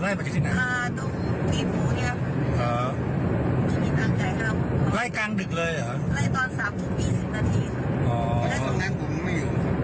เช่นนั้นไปทำงานกันพวกเขาแล้วก็ทอดไทย